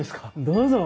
どうぞ。